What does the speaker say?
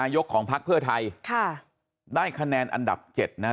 ยกของพักเพื่อไทยค่ะได้คะแนนอันดับ๗นะฮะ